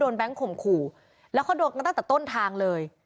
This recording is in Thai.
โดนแบ๊งก์ข่มขู่เราก็โดนตั้งแต่ต้นทางเลย